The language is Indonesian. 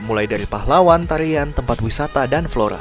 mulai dari pahlawan tarian tempat wisata dan flora